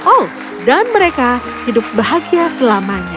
oh dan mereka hidup bahagia selamanya